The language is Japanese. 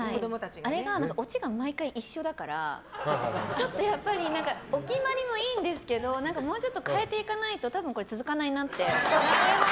あれがオチが毎回一緒だからちょっと、やっぱりお決まりもいいんですけどもうちょっと変えていかないと多分これ続かないなって。